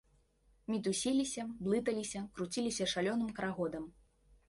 Мітусіліся, блыталіся, круціліся шалёным карагодам.